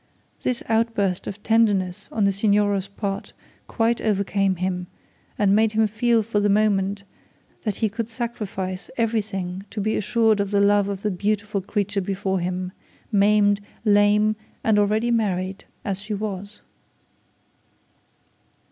This outburst of tenderness on the Signora's part quite overcame him, and made him feel for the moment that he could sacrifice everything to be assured of the love of the beautiful creature before him, maimed, lame, and already married as she was.